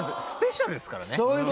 スペシャルですからね今日。